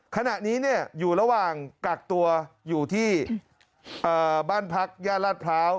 ขณะนี้อยู่ระหว่างกักตัวอยู่ที่บ้านพักย่านลาดพร้าว